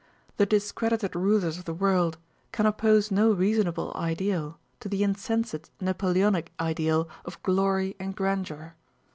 The discredited rulers of the world can oppose no reasonable ideal to the insensate Napoleonic ideal of glory and grandeur.